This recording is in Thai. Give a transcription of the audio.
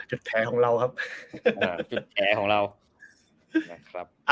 จุดแท้ของเราครับ